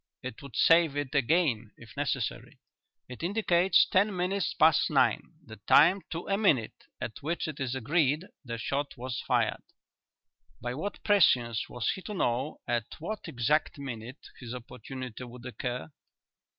"It would save it again if necessary. It indicates ten minutes past nine the time to a minute at which it is agreed the shot was fired. By what prescience was he to know at what exact minute his opportunity would occur?"